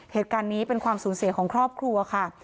เหตุการณ์นี้เป็นความสูญเสียของครอบครัวค่ะ